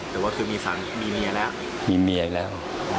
หรือว่าคือมีสัญมีเมียแล้วมีเมียแล้ว